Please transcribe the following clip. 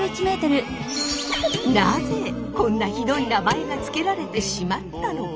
なぜこんなヒドイ名前が付けられてしまったのか。